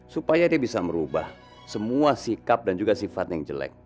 supaya dia bisa merubah semua sikap dan juga sifat yang jelek